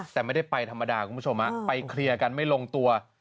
แต่ไม่ได้ไปธรรมดาคุณผู้ชมไปเคลียร์กันไม่ลงตัว